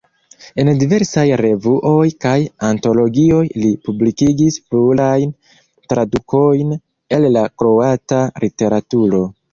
En diversaj revuoj kaj antologioj li publikigis plurajn tradukojn el la kroata literaturo.